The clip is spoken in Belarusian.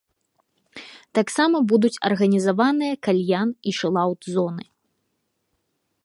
Таксама будуць арганізаваныя кальян- і чылаўт-зоны.